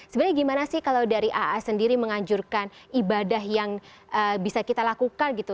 sebenarnya gimana sih kalau dari aa sendiri menganjurkan ibadah yang bisa kita lakukan gitu